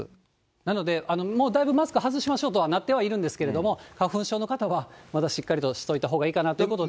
なので、もうだいぶマスク外しましょうとはなってはいるんですけれども、花粉症の方は、まだしっかりとしといたほうがいいかなということで。